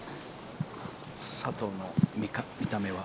佐藤の見た目は。